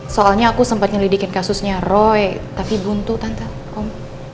soalnya aku sempat nyelidikin kasusnya roy tapi buntu tanpa om